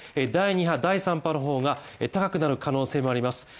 第２波第３波の方が高くなる可能性もあります